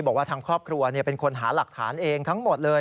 บอกว่าทางครอบครัวเป็นคนหาหลักฐานเองทั้งหมดเลย